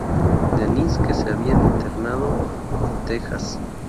Dennis, que se habían internado en Texas.